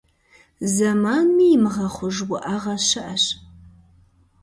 Зэманми имыгъэхъуж уӏэгъэ щыӏэщ.